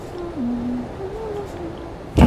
以货到付款方式